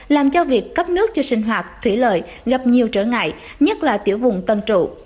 làm cho việc cấp nước cho sinh hoạt thủy lợi gặp nhiều trở ngại nhất là tiểu vùng tân trụ